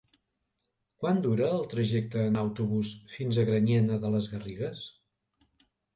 Quant dura el trajecte en autobús fins a Granyena de les Garrigues?